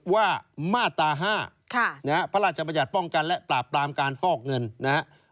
ว่ามาตรา๕พระราชบัญญัติป้องกันและปราบปรามการฟอกเงินนะครับ